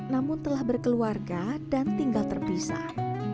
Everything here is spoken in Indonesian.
namun telah berkeluarga dan tinggal terpisah